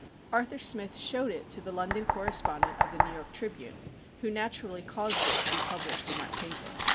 Arthur Smith showed it to the London correspondent of The New York Tribune, who naturally caused it to be published in that paper.